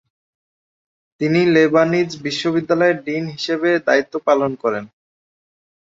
তিনি লেবানিজ বিশ্ববিদ্যালয়ের ডিন হিসেবে দায়িত্ব পালন করেন।